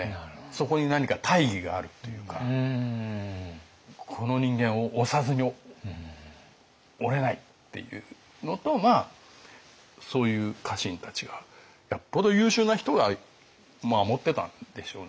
そこに何か大義があるというかこの人間を推さずにおれないっていうのとそういう家臣たちがよっぽど優秀な人が守ってたんでしょうね。